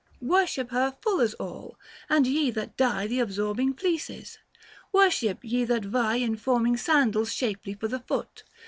Worship her fullers all : and ye that dye Th' absorbing fleeces : worship ye that vie 880 In forming sandals shapely for the foot.